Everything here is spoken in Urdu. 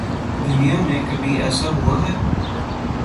دنیا میں کبھی ایسا ہو اہے؟